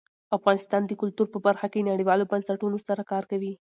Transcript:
افغانستان د کلتور په برخه کې نړیوالو بنسټونو سره کار کوي.